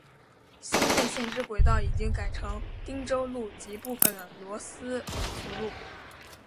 新店线之轨道已经改成汀州路及部分的罗斯福路。